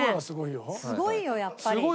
すごいよやっぱり。